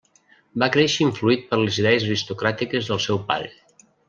Va créixer influït per les idees aristocràtiques del seu pare.